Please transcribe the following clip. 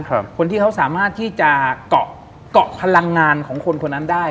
คนที่เขาสามารถที่จะเกาะเกาะพลังงานของคนคนนั้นได้